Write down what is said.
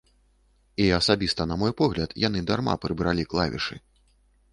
І асабіста на мой погляд, яны дарма прыбралі клавішы.